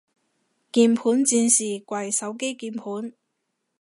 鍵盤戰士跪手機鍵盤